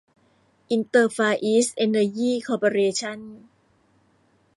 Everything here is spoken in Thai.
อินเตอร์ ฟาร์อีสท์ เอ็นเนอร์ยี่ คอร์ปอเรชั่น